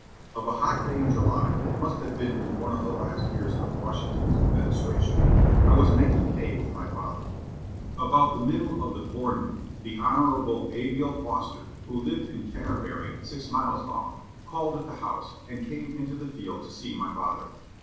"Of a hot day in July, it must have been in one of the last years of Washington's administration, I was making hay with my father. About the middle of the forenoon, the Honorable Abiel Foster, who lived in Canterbury, six miles off, called at the house, and came into the field to see my father.